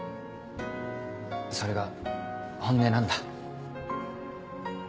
それが本音なんだ。